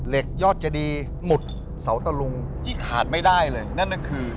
ยอดเจดีหมุดเสาตะลุงที่ขาดไม่ได้เลยนั่นก็คือ